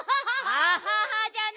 アハハじゃない！